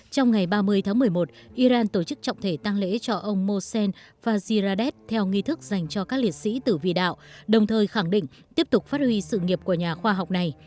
trong ngày ba mươi tháng một mươi một iran tổ chức trọng thể tăng lễ cho ông mosen fajiradeh theo nghi thức dành cho các liệt sĩ tử vị đạo đồng thời khẳng định tiếp tục phát huy sự nghiệp của nhà khoa học này